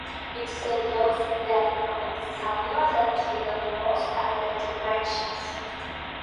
It is the dog's dander and saliva that trigger most allergic reactions.